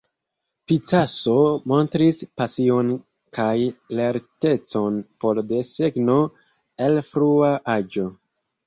Picasso montris pasion kaj lertecon por desegno el frua aĝo.